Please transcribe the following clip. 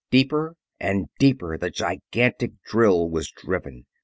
Deeper and deeper the gigantic drill was driven.